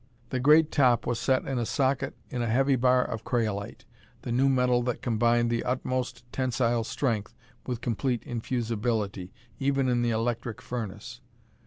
The great top was set in a socket in a heavy bar of craolite, the new metal that combined the utmost tensile strength with complete infusibility, even in the electric furnace.